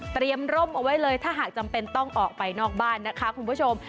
ร่มเอาไว้เลยถ้าหากจำเป็นต้องออกไปนอกบ้านนะคะคุณผู้ชม